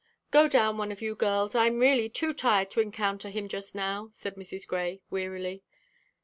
"Go down, one of you girls; I'm really too tired to encounter him now," said Mrs. Grey, wearily.